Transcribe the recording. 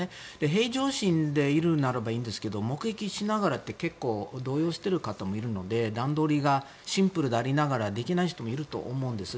平常心でいるならばいいんですけど目撃しながらって結構、動揺してる方も多いので段取りがシンプルでありながらできない人もいると思うんです。